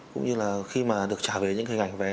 cũng như là khi mà được trả về những hình ảnh vé